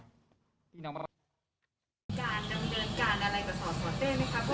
ส่วนบุคคลที่จะถูกดำเนินคดีมีกี่คนและจะมีพี่เต้ด้วยหรือเปล่า